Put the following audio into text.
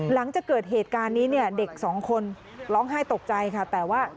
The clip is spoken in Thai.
หลังจากเกิดเหตุการณ์นี้เนี่ยเด็กสองคนร้องไห้ตกใจค่ะแต่ว่า